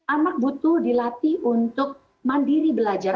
anak butuh dilatih untuk mandiri belajar